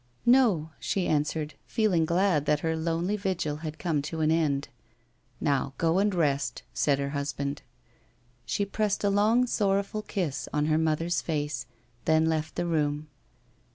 " No," she answered, feeling glad that her lonely vigil had come to an end. " Now go and rest," said her husband. She pressed a long sorrowful kiss on her mother's face ; then left the room.